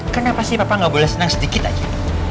kenapa sih papa gak boleh senang sedikit aja